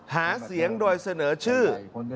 หาเสียงโดยเสนอชื่อ